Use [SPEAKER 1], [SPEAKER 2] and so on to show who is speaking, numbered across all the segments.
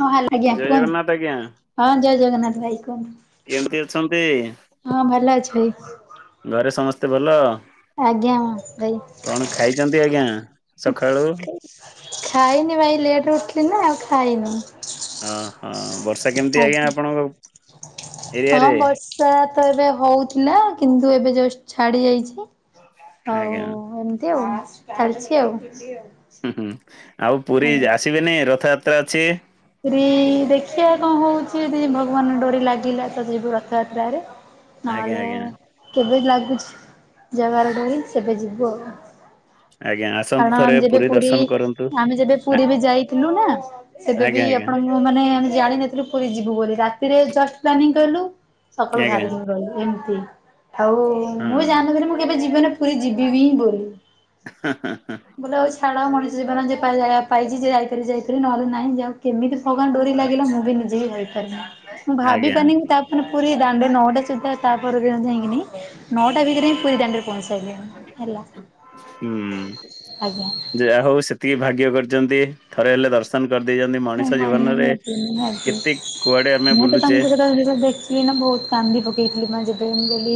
[SPEAKER 1] ହଁ ହାଲୋ ଆଜ୍ଞା
[SPEAKER 2] ଜୟ ଜଗନ୍ନାଥ ଆଜ୍ଞା।
[SPEAKER 1] କୁହନ୍ତୁ ହଁ ଜୟ ଜଗନ୍ନାଥ ଭାଇ କୁହନ୍ତୁ।
[SPEAKER 2] କେମିତି ଅଛନ୍ତି?
[SPEAKER 1] ହଁ ଭଲ ଅଛି ଭାଇ।
[SPEAKER 2] ଘରେ ସମସ୍ତେ ଭଲ
[SPEAKER 1] ଆଜ୍ଞା ଭାଇ।
[SPEAKER 2] କଣ ଖାଇଛନ୍ତି ଆଜ୍ଞା ସକାଳୁ?
[SPEAKER 1] ଖାଇନି ଭାଇ ଲେଟ୍ ରେ ଉଠିଲି ନା ଆଉ ଖାଇନି।
[SPEAKER 2] ଅ ହଁ ବର୍ଷା କେମିତି ଆଜ୍ଞା ଆପଣଙ୍କ
[SPEAKER 1] ହଁ
[SPEAKER 2] ଏରିଆରେ?
[SPEAKER 1] ବର୍ଷା ତ ଏବେ ହଉଥିଲା କିନ୍ତୁ ଏବେ ଜଷ୍ଟ ଛାଡି ଯାଇଛି। ଆଉ
[SPEAKER 2] ଆଜ୍ଞା
[SPEAKER 1] ଏମତି ଆଉ ଚାଲିଛି ଆଉ।
[SPEAKER 2] ହୁଁ ହୁଁ ଆଉ ପୁରୀ
[SPEAKER 1] ଆଜ୍ଞା।
[SPEAKER 2] ଆସିବେନି ରଥଯାତ୍ରା ଅଛି?
[SPEAKER 1] ପୁରୀ ଦେଖିବା କଣ ହଉଛି ଯଦି ଭଗବାନ ଡୋରି ଲାଗିଲା ତ ଯିବୁ ରଥଯାତ୍ରରେ।
[SPEAKER 2] ଆଜ୍ଞା
[SPEAKER 1] ନହେଲେ
[SPEAKER 2] ଆଜ୍ଞା
[SPEAKER 1] କେବେ ଲାଗୁଛି ଜଗା ର ଡୋରି ସେବେ ଯିବୁ ଆଉ।
[SPEAKER 2] ଆଜ୍ଞା ଆସନ୍ତୁ
[SPEAKER 1] କାରଣ
[SPEAKER 2] ଥରେ
[SPEAKER 1] ଆମେ ଯେବେ ପୁରୀ
[SPEAKER 2] ଦର୍ଶନ କରନ୍ତୁ।
[SPEAKER 1] ଆମେ ଯେବେ
[SPEAKER 2] ଆ
[SPEAKER 1] ପୁରୀ ବି ଯାଇଥିଲୁ ନା ସେବେ ବି
[SPEAKER 2] ଆଜ୍ଞା ଆଜ୍ଞା
[SPEAKER 1] ଆପଣ ମାନେ ଆମେ ଜାଣିନଥିଲୁ ପୁରୀ ଯିବୁ ବୋଲି ରାତିରେ ଜଷ୍ଟ ପ୍ଲାନିଂ କଲୁ ସକାଳୁ
[SPEAKER 2] ଆଜ୍ଞା
[SPEAKER 1] ବାହାରିକିନି ଗଲୁ ଏମିତି ଆଉ
[SPEAKER 2] ହଁ
[SPEAKER 1] ମୁଁ ଜାଣିନଥିଲି ମୁଁ କେବେ ଜୀବନରେ ପୁରୀ ଯିବି ବି ବୋଲି।
[SPEAKER 2] ହଁ ହ ହଁ।
[SPEAKER 1] ମୁଁ କହିଲି ହଉ ଛାଡ ମଣିଷ ଜୀବନ ଯେ ତା ଯାଗା ପାଇଛି ଯିଏ ଯାଇପାରିବ ଯାଇପାରିବ ନହେଲେ ନାହିଁ ଯୋଉ କେମିତି ଫଗାନ ଡୋରି ଲାଗିଲା ମୁଁ ବି ନିଜେ ହିଁ କହିପାରିନି ମୁଁ ଭାବି
[SPEAKER 2] ଆଜ୍ଞା
[SPEAKER 1] ପାରିନି ତା ମାନେ ପୁରୀ ଦାଣ୍ଡରେ ନଅଟା ସୁଦ୍ଧା ତାପରେ ଯାଇକିନି ନଅଟା ଭିତରେ ହଁ ପୁରୀ ଦାଣ୍ଡରେ ପହଛି
[SPEAKER 2] ହୁଁ
[SPEAKER 1] ଆଜ୍ଞା।
[SPEAKER 2] ଯ ହଉ ସେତିକି ଭାଗ୍ୟ କରିଛନ୍ତି। ଥରେ ହେଲେ ଦର୍ଶନ କରିଦେଇଛନ୍ତି
[SPEAKER 1] ହଁ
[SPEAKER 2] ମଣିଷ
[SPEAKER 1] ହଁ
[SPEAKER 2] ଜୀବନରେ
[SPEAKER 1] ନିହାତି ନିହାତି।
[SPEAKER 2] କେତେ କୁଆଡେ ଆମେ ବୁଲୁଛେ।
[SPEAKER 1] ସଇଏ ନା ବହୁତ କାନ୍ଦି ପକେଇଥିଲି ମୁଁ ଯେବେ ମୁଁ ଗଲି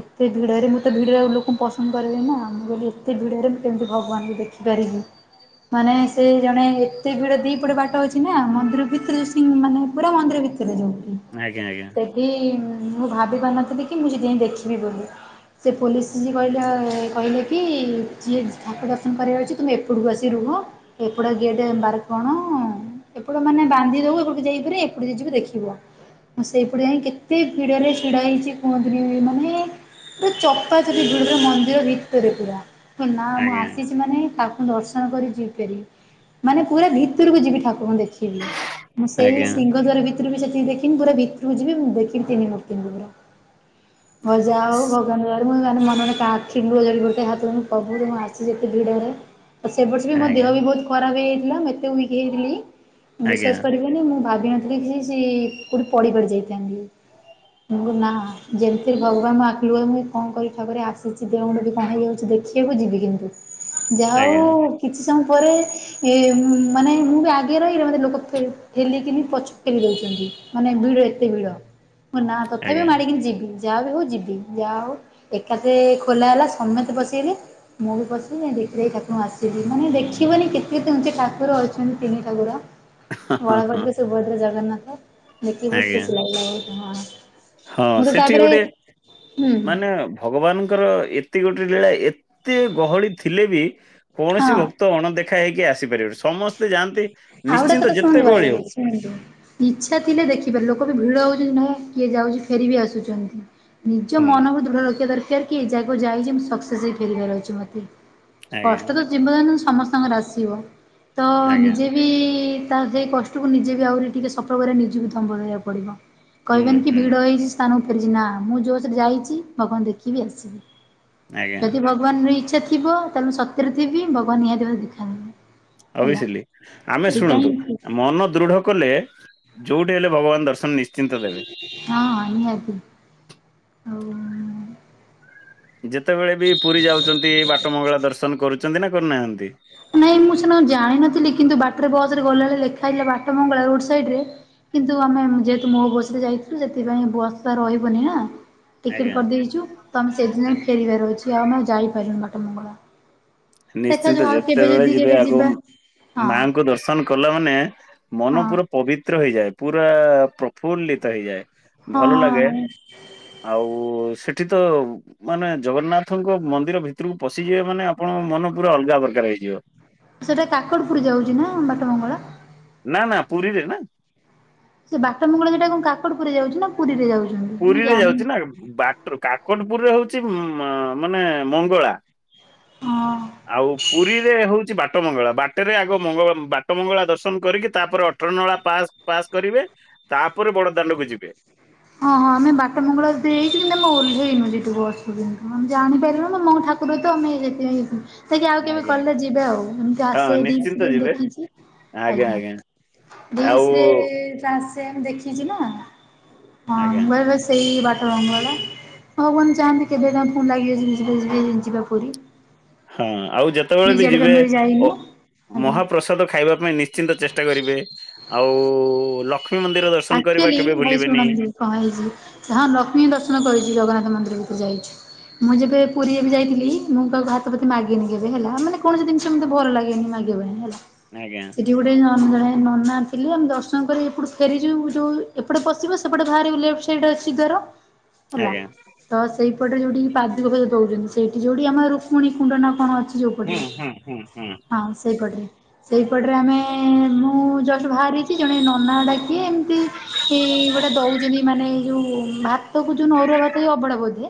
[SPEAKER 1] ଏତେ ଭିଡରେ ମୁଁ ତ ଭିଡ ଲୋକଙ୍କୁ ପସନ୍ଦ କରରେ ନା ମୁଁ କହିଲି ଏତେ ଭିଡ ରେ ମୁଁ କେମିତି ଭଗବାନଙ୍କୁ ଦେଖି କରିବୀ ମାନେ ସେ ଜଣେ ଏତେ ଭିଡ ଦି ପଡେ ବାଟ ଅଛି ନା ମନ୍ଦିର ଭିତରେ ସେ ମାନେ ପୁରା ମନ୍ଦିର ଭିତରେ ଯୋଉଠି
[SPEAKER 2] ଆଜ୍ଞା ଆଜ୍ଞା
[SPEAKER 1] ତେ ବିି ମୁଁ ଭାବି ପାରିନଥିଲି କି ମୁଁ ସେଠି ଯାଇଁ ଦେଖିବି ବୋଲି। ସେ ପୋଲିସ୍ ଯି କହିଲା କହିଲେ କି ଯିଏ ଠାକୁ ଦର୍ଶନ କରିବାର ଅଛି ତୁମେ ଏପଟକୁ ଆସି ରୁହ। ଏପଟ ଗେଟ୍ ବାର୍ କଣ। ଏପଟ ମାନେ ବାନ୍ଧି ଦଉ ଏପଟକୁ ଯାଇ ପାରେ ଏପଟେ ଯିଏ ଯିବ ଦେଖିବ। ସେଇପଟେ ଯାଇ କେତେ ଭିଡରେ ଛିଡା ହେଇଚି କୁହନ୍ତିନି ମାନେ ପୁରା ଚପା କରି ଦେବେ ମନ୍ଦିର ଭିତରେ ପୁରା। ନା ମୁଁ
[SPEAKER 2] ଆଜ୍ଞା।
[SPEAKER 1] ଆସିଚି ମାନେ ତାକୁ ଦର୍ଶନ କରି ଯିବି୍ ବାରି। ମାନେ ପୁରା ଭିତୁରୁକୁ ଯିବି ଠାକୁରଙ୍କୁ ଦେଖିବି ମୁଁ ସେଇ
[SPEAKER 2] ଆଜ୍ଞା।
[SPEAKER 1] ସିଂଘ ଦ୍ଵାର ଭିତ ରକୁ ବି ଯେତିକି ଦେଖିନି ପୁରା ଭିତରକୁ ଯିବି ମୁଁ ଦେଖିବି ତିନି ଭକ୍ତଙ୍କୁ ମୋର। ଠାକୁରଙ୍କ ଦୁଆରେ [inaudible] ମନେମନେ ତା ଆଖିରୁ ଲୁହ ଝରି ପଡୁଥାଏ ହାତ ଯୋଡି ପ୍ରଭୁ ମୁଁ ଆସିଚି ଏତେ ଭିଡରେ। ଆଉ ସେ ବର୍ଷ ବି ମୋ ଦେହ
[SPEAKER 2] ଆଜ୍ଞା,
[SPEAKER 1] ବି ବହୁତ୍ ଖରାପ ହେଇଯାଇଥିଲା ମୁଁ ଏତେ ଉଇକି୍ ହେଇ ଯାଇଥିଲି
[SPEAKER 2] ଆଜ୍ଞା,
[SPEAKER 1] ବିଶ୍ଵାସ କରିବନି ମୁଁ ଭାବିନଥିଲି କି ସି କୋଉଠି ପଡିପାଡି ଯାଇଥାନ୍ତି। ମୁଁ କହିଲି ନା ଯେମିତି ଭଗବାନ୍ ମୋ ଆଖିଲୁହ ମୁଁ କଁ କରିବି ଠାକୁରେ ଆସିଚି ଦେହ ମୁୁଣ୍ଡ ବି କଣ ହେଇଯାଉଚି ଦେଖି ଆକୁ ଯିବି କିନ୍ତୁ ଯା ଉ
[SPEAKER 2] ଆଜ୍ଞା,
[SPEAKER 1] କିଛି ସମ୍ ପରେ ଏ ମାନେ ମୁଁ ବି ଆଗେ ରହିଲେ ମତେ ଲୋକ ପେଲି ଠେଲିକିନି ପଛକୁ ପେଲି ଦଉଚନ୍ତି। ମାନେ ଭିଡ ଏତେ ଭିଡ ମୁଁ ନା ତଥାପି
[SPEAKER 2] ଆଜ୍ଞା,
[SPEAKER 1] ମାଡିକି ଯିବି। ଯାହା ବି ହଉ ଯିବି ଯାହା ହଉ ଏକାଥେ ଖୋଲା ହେଲା ସମସ୍ତେ ପସିଗଲେ ମୁଁ ବି ପଶିବି ଦେଖିଦେଇ ଠାକୁରଙ୍କୁ ଆସିବି ମାନେ ଦେଖିବନି କେ ତେ କେମ୍ତି ଠାକୁର ଅଛନ୍ତି ତିନି ଠାକୁର
[SPEAKER 2] ହଁ, ହଁ, ହଁ,
[SPEAKER 1] ବଳଭଦ୍ର ସୁଭଦ୍ରା ଜଗନ୍ନାଥ। ଦେଖି ବହୁତ୍
[SPEAKER 2] ଆଜ୍ଞା,
[SPEAKER 1] ଖୁସି ଲାଗିଲା ବହୁତ୍ ହଁ।
[SPEAKER 2] ହଁ
[SPEAKER 1] ମୁଁ ତ
[SPEAKER 2] ସେଠି
[SPEAKER 1] ତାପରେ
[SPEAKER 2] ଗୋଟେ
[SPEAKER 1] ହୁଁ
[SPEAKER 2] ମାନେ ଭଗବାନ୍ ଙ୍କର ଏତି ଗୋଟେ ଲୀଳା ଏତେ ଗହଳି ଥିଲେ ବି କୌଣସି
[SPEAKER 1] ହଁ
[SPEAKER 2] ଭକ୍ତ ତ ଅଣଦେଖା ହେଇକି ଆସିପାରିବନି ସମସ୍ତେ ଯାଆନ୍ତି ନିଶ୍ଚିନ୍ତ ଯେତେ ଗହଳି ହଉ
[SPEAKER 1] ହୁଁୁ [inaudible] ଇଚ୍ଛା ଥିଲେ ଦେଖିପାର ଲୋକ ବି ଭିଡ ହଉଚନ୍ତି ମୁଁ କିଏ ଯାଉଚି ଫେରିବ ବି ଆସୁଚନ୍ତି। ନିଜ
[SPEAKER 2] ହୁଁ,
[SPEAKER 1] ମନକୁ ଦୃଢ଼ ରଖିବା ଦରକାର କି ଏ ଜାଗାକୁ ଯାଇଚି ମୁଁ ସକ୍ସେସ୍ ହେଇ ଫେରିବାର ଅଛି ମତେ।
[SPEAKER 2] ଆଜ୍ଞା,
[SPEAKER 1] କଷ୍ଟ ତ ଜୀବନରେ ସମସ୍ତଙ୍କର ଆସିବ ତ
[SPEAKER 2] ଆଜ୍ଞା,
[SPEAKER 1] ନିଜେ ବି ତା ସେଇ କଷ୍ଟ୍ କୁ ନିଜେ ବି ଆହୁରି ଟିକେ ସତଭରା ନିଜକୁ ବି ଦମ୍ଭ ରହିବାକୁ ପଡିବ
[SPEAKER 2] ହୁଁ,
[SPEAKER 1] କହିବାନି କି
[SPEAKER 2] ହୁଁ,
[SPEAKER 1] ଭିଡ ହେଇଚି େଛି [inaudible] ନା ମୁଁ ଜୋସ୍ ରେ ଯାଇଚି ଭଗବାନ୍ ଦେଖିବି ଆସିବି
[SPEAKER 2] ଆଜ୍ଞା,
[SPEAKER 1] ଯଦି ଭଗ ବାନ୍ ର ଇଛା ଥିବ ତାହେଲେ ମୁଁ ସତରେ ଥିବି ଭଗବାନ୍ ନିହାତି ଭାବରେ ଦେଖାହେବେ।
[SPEAKER 2] ଓବିସିଲି ଆମେ
[SPEAKER 1] ହିଁ
[SPEAKER 2] ଶୁଣନ୍ତୁ
[SPEAKER 1] ଠିକ୍।
[SPEAKER 2] ମନ ଦୃଢ କଲେ ଯୋଉଠି ହେଲେ ଭଗବାନ୍ ଦର୍ଶନ ନିଶ୍ଚିନ୍ତ ଦେବେ।
[SPEAKER 1] ହଁ ନିହାତି ଆଉ
[SPEAKER 2] ଯେତବେଳେ ବି ପୁରୀ ଯାଉଚନ୍ତି ବାଟ ମଙ୍ଗଳା ଦର୍ଶନ କରୁଚନ୍ତି ନା କରୁନାହାନ୍ତି?
[SPEAKER 1] ନାଇଁ ମୁଁ ସେଦିନ ଯାଇନଥିଲି କିନ୍ତୁ ବାଟରେ ବସ୍ ରେ ଗଲା ବଳେ ଲେଖା ହେଇ ଥିଲା ବାଟ ମଙ୍ଗଳା ରୋଡ୍ ସାଇଡ୍ ରେ କିନ୍ତୁ ଆମେ ଯେହେତୁ ମୋ ବସ୍ ରେ ଯାଇଥିଲୁ ସେଥିପାଇଁ ବସ୍ ତ ରହିବନି ନା ଟିକେଟ୍
[SPEAKER 2] ଆଜ୍ଞା।
[SPEAKER 1] କରିଦେଇତୁ ତ ଆମେ ସେଇ ଦିନ ଫେରିବାର ଅଛି ଆଉ ଆମେ ଆଉ ଯାଇପାରିଲୁନି ବାଟମଙ୍ଗଳା।
[SPEAKER 2] ନିଶ୍ଚିନ୍ତ ଯେତେବେଳେ ଯିବେ ଆଗ
[SPEAKER 1] ହଁ
[SPEAKER 2] ମାଙ୍କ ଦର୍ଶନ କଲା ମାନେ ମନ
[SPEAKER 1] ହଁ
[SPEAKER 2] ପୁର ପବିତ୍ର ହେଇଯାଏ ପୁରା ପ୍ରଫୁଲ୍ଲିତ ହେଇଯାଏ ଭଲ ଲାଗେ
[SPEAKER 1] ହଁ
[SPEAKER 2] ଆଉ ସେଠି ତ ମାନେ ଜଗନ୍ନାଥଙ୍କ ମନ୍ଦିର ଭିତରକୁ ପଶିଯିବେ ମାନେ ଆପଣଙ୍କ ମନ ପୁରା ଅଲଗା ପ୍ରକାର ହେଇଯିବ।
[SPEAKER 1] ସେଟା କାକଟପୁର ଯାଉଚି ନା ବାଟମଙ୍ଗଳା?
[SPEAKER 2] ନା ନା ପୁରୀରେ ନା।
[SPEAKER 1] ସେ ବାଟ ମଙ୍ଗଳ ଯେ ଟା କଣ କାକଟପୁର ରେ ଯାଉଚି ନା ପୁରୀରେ ଯାଉଚି?
[SPEAKER 2] ପୁରୀରେ ଯାଉଚି ନା ବାଟର୍ କାକଟପୁରରେ ହଉଚି ମାନେ ମଙ୍ଗଳା।
[SPEAKER 1] ହଁ।
[SPEAKER 2] ଆଉ ପୁରୀରେ ହଉଛି ବାଟ ମଙ୍ଗଳା ବାଟରେ ଆଗ ମଙ୍ଗ ବାଟ ମଙ୍ଗଳା ଦର୍ଶନ କରିକି ତାପରେ ଅ ଅଟନଳା ପା ପାସ୍ କରିବେ ତାପରେ ବଡ଼ଦାଣ୍ଡକୁ ଯିବେ।
[SPEAKER 1] ହଁ ହଁ ଆମେ ବାଟ ମଙ୍ଗଳା ଦେଇକୁ କିନ୍ତୁ ଆମେ ଓଲ୍ହେଇନୁ ଯେଠୁ ବସୁରୁ କିନ୍ତୁ ଆମେ ଜାଣିପାରିବୁ ନା ମମ ଠା ତ ଆମେଇ ଯେଇ [inaudible] ତକି ଆଉ କେବେ
[SPEAKER 2] ଆଜ୍ଞା।
[SPEAKER 1] କଲେ ଯିବେ ଆଉ ଏମିତି
[SPEAKER 2] ହଁ
[SPEAKER 1] ଆସେ ଦି
[SPEAKER 2] ନିଶ୍ଚିନ୍ତ
[SPEAKER 1] ମାସରେ
[SPEAKER 2] ଯିବେ
[SPEAKER 1] ଦେଖିଛି ଆଜ୍ଞା।
[SPEAKER 2] ଆଉ
[SPEAKER 1] ରିଲ୍ସରେ ଆସେ ମୁଁ ଦେଖିଛି ନା
[SPEAKER 2] ଆଜ୍ଞା
[SPEAKER 1] ହଁ ସେଇ ବାଟ ମଙ୍ଗଳା ଭଗବାନ ଚାହାଁନ୍ତି କେବେ କା ଫୋନ୍ ଲାଗିବ ଜବି ଜିବି ଯିବି ଯିବାକୁ ପୁରୀ।
[SPEAKER 2] ହଁ ଆଉ ଯେତେବେଳେ
[SPEAKER 1] ପୁରୀ
[SPEAKER 2] ବି
[SPEAKER 1] ସିଆଡେ
[SPEAKER 2] ଯିବେ
[SPEAKER 1] ଆମେ
[SPEAKER 2] ଅ
[SPEAKER 1] ଯାଇନୁ ଆଜ୍ଞା।
[SPEAKER 2] ମହାପ୍ରସାଦ ଖାଇବା ପାଇଁ ନି ଶ୍ଚିନ୍ତ ଚେଷ୍ଟା କରିବେ ଆଉ ଲକ୍ଷ୍ମୀ ମନ୍ଦିର ଦର୍ଶନ କରିବା
[SPEAKER 1] ଆକ୍ଚୁଆଲି
[SPEAKER 2] କେବେ
[SPEAKER 1] ଭାଇ
[SPEAKER 2] ଭୁଲିବେନି।
[SPEAKER 1] ଶୁଣନ୍ତୁ କଣ ହେଇଛି ହଁ ଲକ୍ଷ୍ମୀ ଦର୍ଶନ କରିଛି ଜଗନ୍ନାଥ ମନ୍ଦିରକୁ ଯାଇଛୁ। ମୁଁ ଯେବେ ପୁରୀ ଏ ବି ଯାଇଥିଲି ମୁଁ କାହାକୁ ଭାତ ପ୍ରତି ମାଗିନି କେବେ ହେଲା ମାନେ କୌଣସି ଜିନିଷ ମୋତେ ଭଲ ଲାଗେନି ମାଗିବା ପାଇଁ ହେଲା।
[SPEAKER 2] ଆଜ୍ଞା।
[SPEAKER 1] ସେଠି ଗୋଟେ ନନା ଜଣେ ନନା ଥିଲେ ଆମେ ଦର୍ଶନ କରି ଏପଟୁ ଫେରି ଯିବୁ ଯୋଉ ଏପଟେ ପଶିବ ସେପଟେ ବାହାରିବ ଲେଫ୍ଟ ସାଇଡ ଅଛି ଦ୍ୱାର। ହେଲା
[SPEAKER 2] ଆଜ୍ଞା।
[SPEAKER 1] ତ ସେଇପଟେ ଯୋଉଠି ପାଦୁକ ଫାଦୁକ ଦଉଛନ୍ତି ସେଇଠି ଯୋଉଠି ଆମର ରୁକ ପୁଣି କୁଣ୍ଡନ କଣ ଅଛି
[SPEAKER 2] ହୁଁ
[SPEAKER 1] ଯୋଉପଟରେ
[SPEAKER 2] ହୁଁ ହୁଁ ହୁଁ
[SPEAKER 1] ହଁ ସେଇପଟରେ। ସେଇପଟରେ ଆମେ ମୁଁ ଜଷ୍ଟ ବାହାରିଛି ଜଣେ ନନା ଡା କିଏ ଏମିତି ଇ ଗୋଟେ ଦଉଛନ୍ତି ମାନେ ଏ ଯୋଉ ଭାତ ତକୁ ଯୋଉ ଅରୁଆ ଭାତ ଅଭଢା ବୋଧେ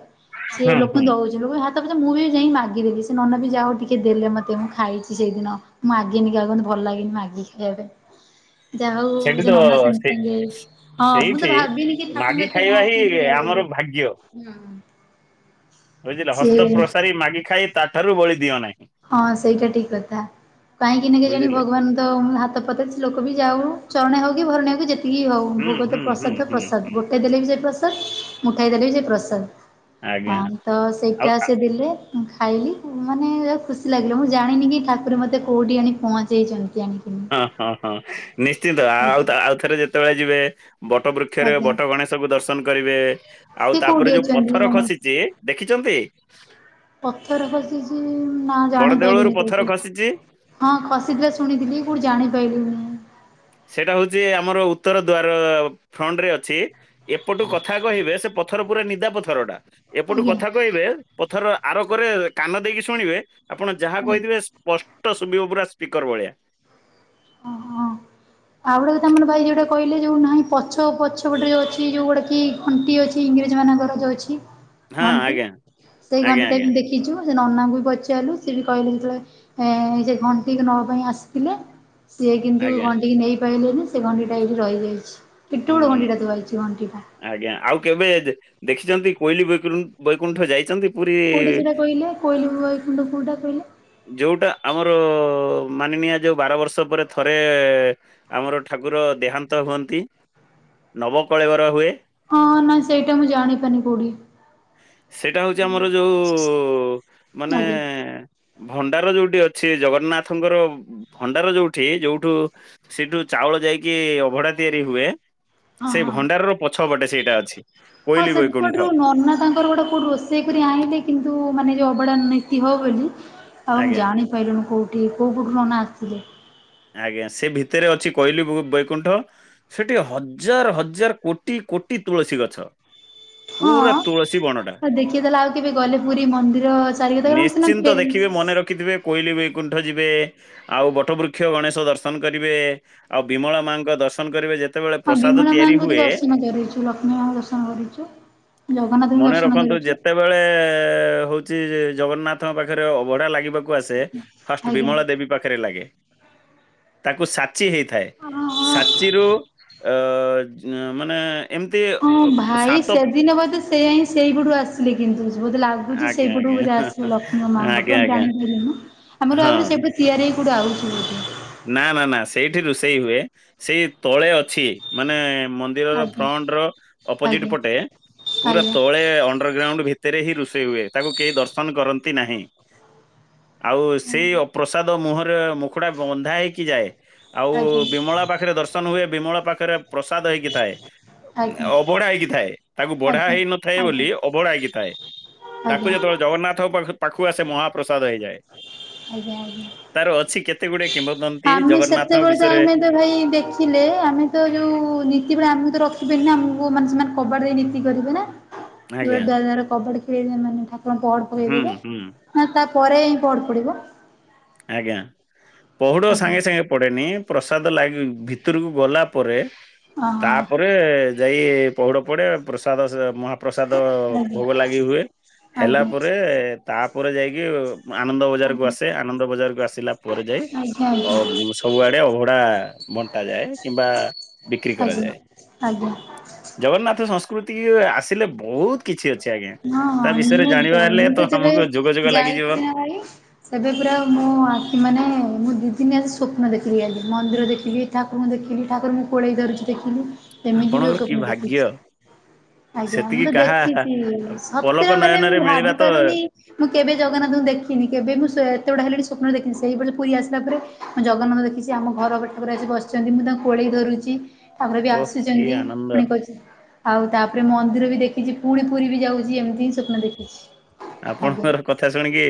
[SPEAKER 1] ସିଏ
[SPEAKER 2] ହୁଁ
[SPEAKER 1] ଲୋକଙ୍କୁ
[SPEAKER 2] ହୁଁ
[SPEAKER 1] ଦଉ ଯେ ଲୋକ ହାତ ଫାତ ମୁଁ ବି ଯାଇ ମାଗିଦେଲି ସେ ନନା ବି ଯା ହଉ ଟିକେ ଦେଲେ ମୋତେ ମୁଁ ଖାଇଛି ସେଇଦିନ। ମୁଁ ମାଗେନି କାହାକୁ ଏମତି ଭଲ ଲାଗେନି ମଗିକି ଖାଇବା ପାଇଁ ଜାହା ହଉ
[SPEAKER 2] ସେଠି ତ
[SPEAKER 1] ସେ ନନା ସାଙ୍ଗେ
[SPEAKER 2] ସେ
[SPEAKER 1] ସାଙ୍ଗେ ହଁ ମୁଁ ତ
[SPEAKER 2] ସେଇଠି
[SPEAKER 1] ଭାବିନି କି
[SPEAKER 2] ମାଗି
[SPEAKER 1] ଠାକୁଙ୍କ ଏତେ
[SPEAKER 2] ଖାଇବା ହିଁ
[SPEAKER 1] ଭାବିକି କି ଲାଭ।
[SPEAKER 2] ଆମର
[SPEAKER 1] [inaudible]
[SPEAKER 2] ଭାଗ୍ୟ। ବୁଝିଲ ହସ୍ତ ପ୍ରସାରୀ ମାଗି ଖାଇ ତାଠାରୁ ବଳି ଦିଅ ନାହିଁ।
[SPEAKER 1] ହଁ ସେଇଟା ଠିକ କଥା କାହିଁକିନା କେଜାଣି
[SPEAKER 2] ବୁଝିଲେ।
[SPEAKER 1] ଭଗବାନ ତ ହାତ ପତେଇଛି ଲୋକ ବି ଯାଉ ଚରଣେ ହଉ କି ଭରଣକୁ ଯେତେ ତିକି ହଉ
[SPEAKER 2] ହୁଁ
[SPEAKER 1] ଭୋଗତ
[SPEAKER 2] ହୁଁ ହୁଁ
[SPEAKER 1] ପ୍ରସାଦ
[SPEAKER 2] ହୁଁ
[SPEAKER 1] ପ୍ରସାଦ
[SPEAKER 2] ହୁଁ
[SPEAKER 1] ଗୋଟାଏ ଦେଲେ ବି ସେ ପ୍ରସାଦ ମୁଠାଏ ଦେଲେ ବି ସେ ପ୍ରସାଦ।
[SPEAKER 2] ଆଜ୍ଞା
[SPEAKER 1] ହଁ ତ
[SPEAKER 2] ଆଉ
[SPEAKER 1] ସେଇଟା ସେ ଦେଲେ ଖାଇଲି ମାନେ ଖୁସି ଲାଗିଲ ମୁଁ ଜାଣିନି କି ଠାକୁର ମୋତେ କେଉଁଠି ଆଣି ପହଞ୍ଚେଇଛନ୍ତି ଆଣି।
[SPEAKER 2] ହଁ ହଁ ହଁ ନିଶ୍ଚିନ୍ତ ଆଉ
[SPEAKER 1] ଆଜ୍ଞା
[SPEAKER 2] ଆଉଥରେ ଯେତେବେଳେ ଯିବେ ବଟ ବୃ ବୃକ୍ଷରେ
[SPEAKER 1] ଆଜ୍ଞା
[SPEAKER 2] ବଟ ଗଣେଶକୁୁ ଦର୍ଶନ କରିବେ ଆଉ
[SPEAKER 1] ସେ କୋଉଠି
[SPEAKER 2] ତାପରେ ଯୋଉ
[SPEAKER 1] ଅଛନ୍ତି
[SPEAKER 2] ପଥର
[SPEAKER 1] ଗଣେଶ?
[SPEAKER 2] ଖସିଛି ଦେଖିଛନ୍ତି।
[SPEAKER 1] ପଥର ଖସିଛି ନା
[SPEAKER 2] ବଡ
[SPEAKER 1] ଜାଣି
[SPEAKER 2] ଦେଉଳରୁ
[SPEAKER 1] ପାରିଲିନି
[SPEAKER 2] ପଥର
[SPEAKER 1] କୋଉଠି?
[SPEAKER 2] ଖସିଛି
[SPEAKER 1] ହଁ ଖସିଥିଲେ ଶୁଣିଥିଲି କେଉଠି ଜାଣିପାରିଲିନି।
[SPEAKER 2] ସେଇଟା ହଉଛି ଆମର ଉତ୍ତର ଦ୍ୱାର ଫ୍ରଣ୍ଟ ରେ ଅଛି ଏପଟୁ କଥା କହିବେ ସେ ପଥର ପୁରା ନିଦା ପଥର ଟା ଏପଟୁ
[SPEAKER 1] ଆଜ୍ଞା।
[SPEAKER 2] କଥା କହିବେ ପଥର ଆରୋକରେ କାନ ଦେଇକି ଶୁଣିବେ ଆପଣ ଯାହା
[SPEAKER 1] ଆଜ୍ଞା।
[SPEAKER 2] କହିଥିବେ ସ୍ପଷ୍ଟ ଶୁଭିବ ପୁରା ସ୍ପିକର ଭଳିଆ।
[SPEAKER 1] ଓ ହଁ ଆଉଗୋଟା ଯୋଉଟା ଆମର ଯୋଉଟା କହିଲେ ଯୋଉ ନାହିଁ ପଛ ପଛପଟେ ଯୋଉ ଅଛି ଯୋଉ ଗୁଡ଼ାକ କି ଘଣ୍ଟି ଅଛି ଇଂରେଜ ମାନଙ୍କର ଯୋଉ ଅଛି।
[SPEAKER 2] ହଁ
[SPEAKER 1] ଘଣ୍ଟି
[SPEAKER 2] ଆଜ୍ଞା
[SPEAKER 1] ସେଇ
[SPEAKER 2] ଆଜ୍ଞା
[SPEAKER 1] ଘଣ୍ଟି ଟା
[SPEAKER 2] ଆଜ୍ଞା
[SPEAKER 1] ଦେଖିଛୁ ସେ ନନାଙ୍କୁ ବି ପଚାରିଲୁ ସେିଏ ବି କହିଲେ ସେତେବେଳେ ଏ ସେ ଘଣ୍ଟିିକ ନବା ପାଇଁ ଆସିଥିଲେ। ସିଏ କିନ୍ତୁ
[SPEAKER 2] ଆଜ୍ଞା
[SPEAKER 1] ଘଣ୍ଟ କିି ନେଇପାରଲେନି ସେ ଘଣ୍ଡି ଟା ଏଇଠି ରହିଯାଇଛି। ଟୁଡ
[SPEAKER 2] ହୁଁ
[SPEAKER 1] କଣଡିଟାୁଛି କଟା [unintelligible]
[SPEAKER 2] ଆଜ୍ଞା ଆଉ କେବେ ଦେଖିଛନ୍ତି କୋଇଲି ପାଖରୁ ବୈକୁଣ୍ଠ ଯାଇଛନ୍ତି? ପୁରୀ
[SPEAKER 1] କୋଉଠି ସେଟା କହିଲ କୋଇଲି ବୈକୁଣ୍ଠ କହିଲ?
[SPEAKER 2] ଯଉଟା ଆମର ମାନିନିଆ ଯଉ ବାର ବର୍ଷ ପରେ ଥରେ ଆମର ଠାକୁର ଦେହାନ୍ତ ହୁଅନ୍ତି ନବକଳେବର ହୁଏ।
[SPEAKER 1] ହଁ ନାଇଁ ସେଇଟା ମୁଁ ଜାଣିପାରୁନି କଉଠି?
[SPEAKER 2] ସେଇଟା ହଉଛି ଆମର ଯଉ ମାନେ
[SPEAKER 1] ଆଜ୍ଞା
[SPEAKER 2] ଭଣ୍ଡାର ଯଉଠି ଅଛି, ଜଗନ୍ନାଥଙ୍କର ଭଣ୍ଡାର ଯଉଠି ଯଉଠୁ ସେଇଠୁ ଚାଉଳ ଯାଇକି ଅଭଡ଼ା ତିଆରି ହୁଏ।
[SPEAKER 1] ହଁ
[SPEAKER 2] ସେଇ
[SPEAKER 1] ହଁ।
[SPEAKER 2] ଭଣ୍ଡାରର ପଛ ପଟେ ସେଇଟା ଅଛି, କୋଇଲି ବୈକୁଣ୍ଠ।
[SPEAKER 1] ଅନ୍ନ ତାଙ୍କର ଗୋଟେ କଇଠି ରୋଷେ ସେଇପରି ଆଇଲେ କିନ୍ତୁ ମାନେ ଯଉ ଅବଢ଼ା ନୀତି ହବ ବୋଲି, ଆଉ ମୁଁ
[SPEAKER 2] ଆଜ୍ଞା
[SPEAKER 1] ଜାଣି ପାଇିଲୁଣି କଉଠୁ କଉ ପଟୁ ନାଚିଲେ?
[SPEAKER 2] ଆଜ୍ଞା ସେ ଭିତରେ ଅଛି କୋଇଲି ବୈକୁଣ୍ଠ ସେଠି ହଜାର ହଜାର କୋଟି କୋଟି ତୁଳସୀ ଗଛ। ପୁରା ତୁଳସୀ ବନ୍ନ
[SPEAKER 1] ହଁ ଦେଖିଇ ଦେଲା ଆଉ କେବେ ଗଲେ ପୁରୀ ମନ୍ଦିର ଚାରି କଥା ସିନା ଫେରି
[SPEAKER 2] କିନ୍ତୁ କୋଇଲି ବୈକୁଣ୍ଠ ଯିବେ, ଆଉ ବଟ ବୃ ଗଣେଶ ଦର୍ଶନ କରିବେ, ଆଉ ବିମଳା ମାଙ୍କ ଦର୍ଶନ କରିବେ ଯେତ୍
[SPEAKER 1] ହଁ ବିମଳା ମାଙ୍କୁ ତ ଦର୍ଶନ କରୁଛୁ ଲକ୍ଷ୍ମୀ ମାଙ୍କୁ ଦର୍ଶନ କରୁଛୁ। ଜଗନ୍ନାଥଙ୍କୁ
[SPEAKER 2] ମନେ
[SPEAKER 1] ଦର୍ଶନ
[SPEAKER 2] ରଖନ୍ତୁ
[SPEAKER 1] କରିଛୁ।
[SPEAKER 2] ଯେତେବେଳେ ହଉଛି ଜଗନ୍ନାଥଙ୍କ ପାଖରେ ଅବଢ଼ା ଲାଗିବାକୁ କୁଆସେ, ଫାଷ୍ଟ
[SPEAKER 1] ଆଜ୍ଞା।
[SPEAKER 2] ବିମଳ ଦେବୀ ପାଖରେ ଲାଗେ। ତାକୁ ସାଚି ହେଇଥାଏ ସାଚିରୁ ଅ ମାନେ ଏମିତି
[SPEAKER 1] ହଁ ଭାଇ
[SPEAKER 2] ସାତ
[SPEAKER 1] ସେଦିନ ବୋଧେ ସେଇ ହିଁ ସେଇ ପଟୁ ଆସ କିନ୍ତୁ ବୋଧେ ଲାଗୁଛି
[SPEAKER 2] ଆଜ୍ଞା
[SPEAKER 1] ସେଇପଟୁ
[SPEAKER 2] ଆଜ୍ଞା
[SPEAKER 1] ବୋଧେ ଆସୁ ଲକ୍ଷ୍ମୀଙ୍କ ମାଙ୍କ
[SPEAKER 2] ଆଜ୍ଞା
[SPEAKER 1] ପାଖୁ
[SPEAKER 2] ଆଜ୍ଞା
[SPEAKER 1] ଜାଣିପାରୁନୁ। ଆମେ
[SPEAKER 2] ହଁ
[SPEAKER 1] ଭାବିଲୁ ସେପେ ତିଆରି ହେଇ କଉଠୁ ଆଉଛି ବୋଧେ।
[SPEAKER 2] ନା ନା ନା ସେଇଠି ରୋଷେଇ ହୁଏ ସେଇ ତଳେ ଅଛି। ମାନେ ମନ୍ଦିରର
[SPEAKER 1] ଆଜ୍ଞା
[SPEAKER 2] ଫ୍ରଣ୍ଟ ର ଅପୋଜିଟ୍
[SPEAKER 1] ଆଜ୍ଞା
[SPEAKER 2] ପଟେ ପୁରା
[SPEAKER 1] ଆଜ୍ଞା।
[SPEAKER 2] ତଳେ ଅ ଅଣ୍ଡରଗ୍ରାଉଣ୍ଡ ଭିତରେ ହିଁ ରୋଷେଇ ହୁଏ। ତାକୁ କେହି ଦର୍ଶନ କରନ୍ତି ନାହିଁ। ଆଉ ସେଇ ପ୍ରସାଦ ମୁହଁରେ ମୁଖୁଡ଼ା ବନ୍ଧା ହେଇକି ଯାଏ। ଆଉ
[SPEAKER 1] ଆଜ୍ଞା ଆଜ୍ଞା
[SPEAKER 2] ବିମଳା ପାଖରେ ଦର୍ଶନ ହୁଏ ବିମଳା ପାଖରେ ପ୍ରସାଦ ହେଇକି ଥାଏ।
[SPEAKER 1] ଆଜ୍ଞା
[SPEAKER 2] ଅବଢ଼ା ହେଇକି ଥାଏ। ତାକୁ ବଢ଼ା
[SPEAKER 1] ଆଜ୍ଞା
[SPEAKER 2] ହେଇ ନଥାଏ ବୋଲି ଅଭଢ଼ା କିଥାଏ।
[SPEAKER 1] ଆଜ୍ଞା
[SPEAKER 2] ତାକୁ
[SPEAKER 1] ଆଜ୍ଞା
[SPEAKER 2] ଯେତେବେଳେ ଜଗନ୍ନାଥଙ୍କ ପାଖ ପାଖକୁ ଆସେ ମହାପ୍ରସାଦ ହେଇଯାଏ।
[SPEAKER 1] ଆଜ୍ଞା ଆଜ୍ଞା।
[SPEAKER 2] ତାର ଅଛି କେତେ ଗୁଡ଼େ କିମ୍ବଦନ୍ତି
[SPEAKER 1] ଆମେ
[SPEAKER 2] ଜଗନ୍ନାଥଙ୍କ
[SPEAKER 1] ସେତେବେଳେ ତ
[SPEAKER 2] ବିଷୟରେ।
[SPEAKER 1] ଆମେ ତ ଦେଖିଲେ ଆମେ ତ ଯଉ ନୀତି ଆମକୁ ତ ରଖବେନି ନା ଆମକୁ ମାନେ ସେମାନେ କବାଟ ଦେଇ ନୀତି କରିବେ ନା। ପୁରା
[SPEAKER 2] ଆଜ୍ଞା
[SPEAKER 1] ଦରେ କବାଡ଼ି ଖେଳି ମାନେ ଠାକୁରଙ୍କୁ ପହଡ଼
[SPEAKER 2] ହୁଁ
[SPEAKER 1] ପକେଇଦେବେ।
[SPEAKER 2] ହୁଁ
[SPEAKER 1] ହଁ ତାପରେ ହିଁ କବାଟ ପଡ଼ିବ।
[SPEAKER 2] ଆଜ୍ଞା ପହଡ଼ ସାଙ୍ଗେ
[SPEAKER 1] ଆଜ୍ଞା
[SPEAKER 2] ସାଙ୍ଗେ ପଡ଼େନି ପ୍ରସାଦ ଲାଗି ଭିତରକୁ ଗଲା ପରେ
[SPEAKER 1] ହଁ
[SPEAKER 2] ତାପ
[SPEAKER 1] ହଁ
[SPEAKER 2] ରେ ଯାଇ ପହୁଡ଼ ପଡ଼େ ପ୍ରସାଦ ମହାପ୍ରସାଦ ଭୋଗ
[SPEAKER 1] ଆଜ୍ଞା
[SPEAKER 2] ଲାଗି ହୁଏ ହେଲା ପରେ
[SPEAKER 1] ଆଜ୍ଞା
[SPEAKER 2] ତାପରେ ଯାଇକି ଆନନ୍ଦ ବଜାରକୁ ଆସେ। ଆନନ୍ଦ ବଜାରକୁ ଆସିଲା ପରେ ଯାଇ
[SPEAKER 1] ଆଜ୍ଞା ଆଜ୍ଞା
[SPEAKER 2] ଅ ସବୁଆଡ଼େ ଅଭଡ଼ା ବଣ୍ଟା ଯାଏ କିମ୍ବା ବିକ୍ରି
[SPEAKER 1] ଆଜ୍ଞା
[SPEAKER 2] କରାଯାଏ।
[SPEAKER 1] ଆଜ୍ଞା
[SPEAKER 2] ଜଗନ୍ନାଥ ସଂସ୍କୃତି କି ଆସିଲେ ବହୁତ କିଛି ଅଛି ଆଜ୍ଞା।
[SPEAKER 1] ହଁ ହଁ
[SPEAKER 2] ତା ବିଷୟରେ ଜାଣିବା
[SPEAKER 1] ନିହାତି
[SPEAKER 2] ହେଲେ ତ ଆମକୁ ଯୁଗ ଯୁଗ ଲାଗିଯିବ।
[SPEAKER 1] ଭାଈ। ସେବେ ପୁରା ମୁଁ ଆଖି ମାନେ ମୁଁ ଦିନିଆଜି ସ୍ୱପ୍ନ ଦେଖିଲି ଆଗେ ମନ୍ଦିର ଦେଖିଲି ଠାକୁରଙ୍କୁ ଦେଖିଲି ଠାକୁରଙ୍କୁ କୋଳେଇ ଧରୁଛି ଦେଖିନୁ। ସେମିତି ଯୋଉ
[SPEAKER 2] ଆପଣଙ୍କର କି
[SPEAKER 1] ସ୍ୱପ୍ନ
[SPEAKER 2] ଭାଗ୍ୟ
[SPEAKER 1] ଦେଖିଛି ଆଜ୍ଞା ମୁଁ
[SPEAKER 2] ସେତିକି
[SPEAKER 1] ତ
[SPEAKER 2] କାହା
[SPEAKER 1] ଦେଖିଛି।
[SPEAKER 2] ପଲକ
[SPEAKER 1] ସତରେ ମାନେ ମୁଁ
[SPEAKER 2] ନୟନରେ ମିଳିବା
[SPEAKER 1] ଭାବି
[SPEAKER 2] ତ
[SPEAKER 1] ପାରୁନି ମୁଁ କେବେ ଜଗନ୍ନାଥଙ୍କୁ ଦେଖିନି କେବେ ମୁଁ ସେ ଏତେବଡ ହେଲିଣି ସ୍ୱପ୍ନ ଦେଖିନି ସେଇ ବର୍ଷ ପୁରୀ ଆସିଲା ପରେ ମୁଁ ଜଗନ୍ନାଥ ଦେଖିଛି ଆମ ଘର ଖଟଉପରେ ଆସି ବସିଛନ୍ତି ମୁଁ ତାଙ୍କୁ କୋଳେଇ ଧରୁଛି। ତାପରେବି
[SPEAKER 2] ଓଃ କି
[SPEAKER 1] ଆସୁଛନ୍ତି
[SPEAKER 2] ଆନନ୍ଦ
[SPEAKER 1] ପୁଣି କହୁଛି ଆଉ ତାପରେ ମନ୍ଦିରବି ଦେଖିଛି ପୁଣି ପୁରୀବି ଯାଉ ଆଜି ଏମିତିହିଁ ସ୍ୱପ୍ନ ଦେଖିଛି। ଆଜ୍ଞା
[SPEAKER 2] ଆପଣଙ୍କର କଥା ଶୁଣିକି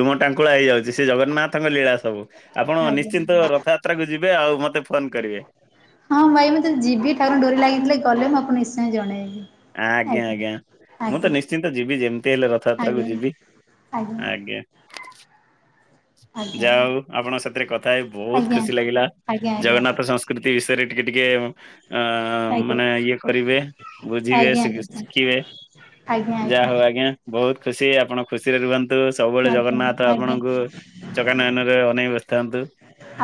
[SPEAKER 2] ଲୁମ ଟାଙ୍କୁଳା ହେଇଯାଉଛି ସେ ଜଗନ୍ନାଥଙ୍କ ଲୀଳା ସବୁ ଆପଣ ନିଶ୍ଚିନ୍ତ
[SPEAKER 1] ଆଜ୍ଞା
[SPEAKER 2] ରଥଯାତ୍ରାକୁ ଯିବେ ଆଉ ମତେ ଫୋନ କରିବେ
[SPEAKER 1] ହଁ ଭାଇ ମୁଁ ତ ଯିବି ଠାକୁରଙ୍କ ଡୋରି ଲାଗିଥିଲେ ଗଲେ ମୁଁ ଆପଣକୁ ନିଶ୍ଚୟ ଜଣେଇବି।
[SPEAKER 2] ଆ ଆଜ୍ଞା ଆଜ୍ଞା ମୁଁ ତ
[SPEAKER 1] ଆଜ୍ଞା
[SPEAKER 2] ନିଶ୍ଚିନ୍ତ ଯିବି ଯେମିତି ହେଲେ
[SPEAKER 1] ଆଜ୍ଞା
[SPEAKER 2] ରଥଯାତ୍ରାକୁ ଯିବି ଆଜ୍ଞା।
[SPEAKER 1] ଆଜ୍ଞା
[SPEAKER 2] ଯା
[SPEAKER 1] ଆଜ୍ଞା
[SPEAKER 2] ହଉ ଆପଣଙ୍କ ସାଥିରେ କଥା ହେଇ ବହୁତ
[SPEAKER 1] ଆଜ୍ଞା
[SPEAKER 2] ଖୁସି ଲାଗିଲା
[SPEAKER 1] ଆଜ୍ଞା ଆଜ୍ଞା
[SPEAKER 2] ଜଗନ୍ନାଥ ସଂସ୍କ କୃତି ବିଷୟରେ ଟିକେ ଟିକେ ଅ ହ
[SPEAKER 1] ଆଜ୍ଞା
[SPEAKER 2] ମାନେ ଇଏ କରିବେ ବୁଝିବେ
[SPEAKER 1] ଆଜ୍ଞା
[SPEAKER 2] ଶିଖିବେ ଯାହା ହଉ ଆଜ୍ଞା। ବହୁତ ଖୁସି ଆପଣ ଖୁସିରେ ରୁହନ୍ତୁ ସବୁବେଳେ
[SPEAKER 1] ଆଜ୍ଞା
[SPEAKER 2] ଜଗନ୍ନାଥ
[SPEAKER 1] ଆଜ୍ଞା ଆଜ୍ଞା
[SPEAKER 2] ଆପଣଙ୍କୁ ଚକା ନୟନରେ ଅନେଇ ବସିଥାନ୍ତୁ।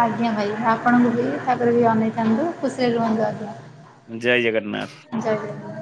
[SPEAKER 1] ଆଜ୍ଞା ଭାଇ ଆପଣଙ୍କୁବି ତାପରେବି ଅନେଇଥାନ୍ତୁ ଖୁସିରେ ରୁହନ୍ତୁ ଆଜ୍ଞା।
[SPEAKER 2] ଜୟ ଜଗନ୍ନାଥ।
[SPEAKER 1] ଜୟ ଜଗନ୍ନାଥ।